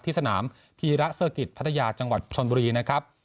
สนามพีระเซอร์กิจพัทยาจังหวัดชนบุรีนะครับ